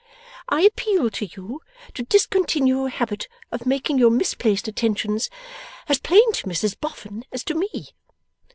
I appeal to you to discontinue your habit of making your misplaced attentions as plain to Mrs Boffin as to me.